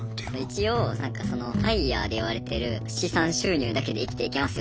一応そのＦＩＲＥでいわれてる資産収入だけで生きていけます